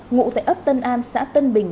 ngụ tại ấp tân an xã tân bình